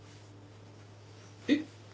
えっ？